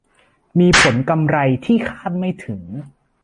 มีผลกำไรที่คาดไม่ถึง